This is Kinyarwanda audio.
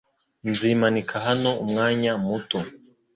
Nzimanika hano umwanya muto.